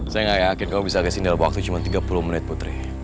saya gak yakin kamu bisa kasih dalam waktu cuma tiga puluh menit putri